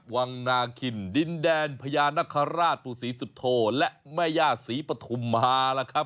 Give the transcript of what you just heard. วังนาคินดินแดนพญานคราชปู่ศรีสุโธและแม่ย่าศรีปฐุมมาล่ะครับ